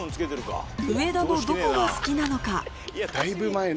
上田のどこが好きなのか？